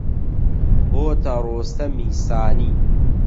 بۆتە ڕۆستەمی سانی